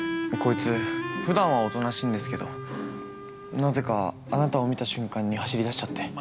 こいつ、ふだんはおとなしいんですけど、なぜか、あなたを見た瞬間に走り出しちゃって。